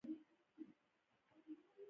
جانداد د ښکلي احساس څښتن دی.